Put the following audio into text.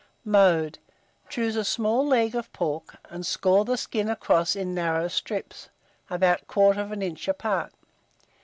Mode. Choose a small leg of pork, and score the skin across in narrow strips, about 1/4 inch apart.